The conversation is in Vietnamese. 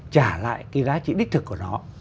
trả lại cái giá trị đích thực của nó